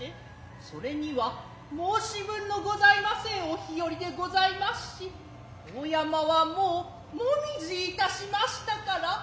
それには申分のございませんお日和でございますし遠山はもうもみぢいたしましたから。